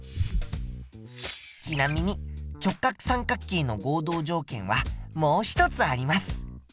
ちなみに直角三角形の合同条件はもう一つあります。